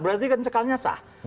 berarti kan cekalnya sah